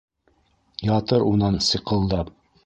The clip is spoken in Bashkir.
Ятыр унан сиҡылдап.